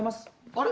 あれ？